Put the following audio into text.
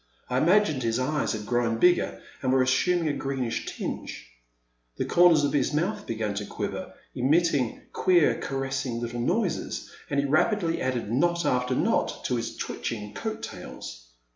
I imagined his eyes had grown bigger, and were assuming a greenish tinge. The comers of his mouth began to quiver, emitting queer, caressing little noises, and he rapidly added knot after knot to his twitching coat tails.